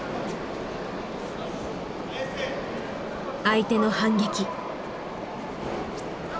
相手の反撃。